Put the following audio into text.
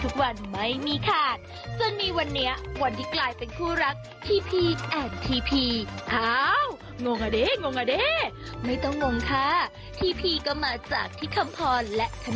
กินมากกินมากอ่ากินมาก